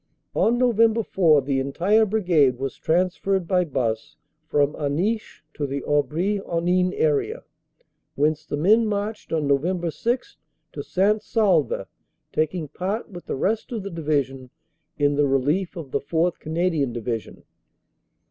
On Nov. 4 the entire Brigade was trans ferred by bus from Aniche to the Aubry Henin area, whence the men marched on Nov. 6 to St. Saulve, taking part with the rest of the Division in the relief of the 4th. Canadian Divi sion.